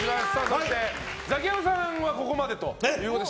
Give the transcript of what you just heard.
そしてザキヤマさんはここまでということで